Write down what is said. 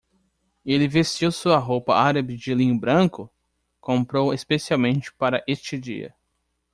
Ele vestiu sua roupa árabe de linho branco? comprou especialmente para este dia.